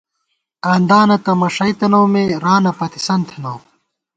آندانہ تہ مݭَئی تنَؤ مے ، رانہ پَتِسَن تھنَؤ